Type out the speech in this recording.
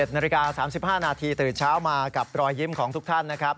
นาฬิกา๓๕นาทีตื่นเช้ามากับรอยยิ้มของทุกท่านนะครับ